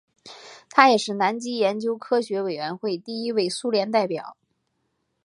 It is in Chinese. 他也是南极研究科学委员会第一位苏联代表。